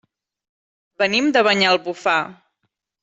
Venim de Banyalbufar.